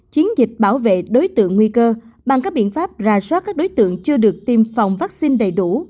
chiến dịch bảo vệ đối tượng nguy cơ bằng các biện pháp ra soát các đối tượng chưa được tiêm phòng vaccine đầy đủ